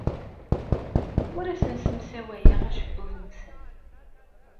Ur asen-ssemsawayeɣ acebbub-nsen.